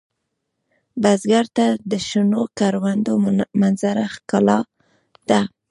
بزګر ته د شنو کروندو منظره ښکلا ده